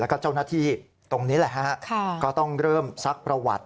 แล้วก็เจ้าหน้าที่ตรงนี้แหละฮะก็ต้องเริ่มซักประวัติ